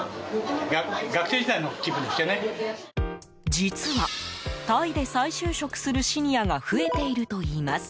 実はタイで再就職するシニアが増えているといいます。